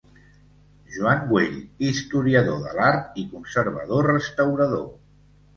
Joan Güell, historiador de l'Art i conservador-restaurador.